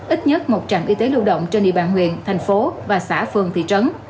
ít nhất một trạm y tế lưu động trên địa bàn huyện thành phố và xã phường thị trấn